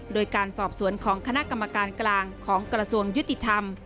โดยการสอบสวนของคณะกรรมการกลางของกระทรวงยุติธรรม